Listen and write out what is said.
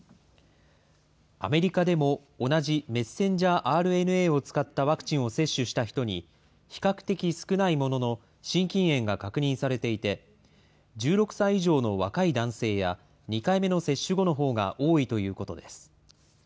アメリカでも、同じｍＲＮＡを使ったワクチンを接種した人に、比較的少ないものの心筋炎が確認されていて、１６歳以上の若い男性や、２回目の接種後のほうが多いということです。